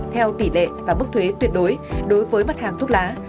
theo tỷ lệ và mức thuế tuyệt đối đối với mặt hàng thuốc lá